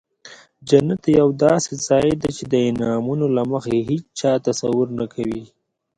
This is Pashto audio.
جنت یو داسې ځای دی چې د انعامونو له مخې هیچا تصور نه کوي.